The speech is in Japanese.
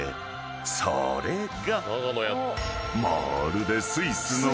［それが］